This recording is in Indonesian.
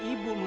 ibu dari mana